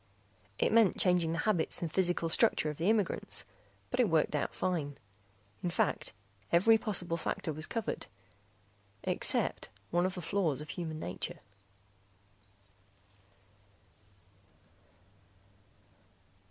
It meant changing the habits and physical structure of the immigrants, but that worked out fine. In fact, every possible factor was covered except one of the flaws of human nature....